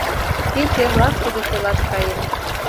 — Кеч эрлак шудо солаш каем.